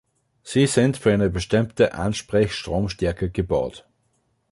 Sie sind für eine bestimmte Ansprech-Stromstärke gebaut.